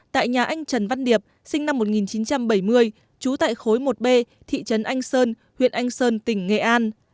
tại nhà anh trần văn điệp sinh năm một nghìn chín trăm bảy mươi trú tại khối một b thị trấn anh sơn huyện anh sơn tỉnh nghệ an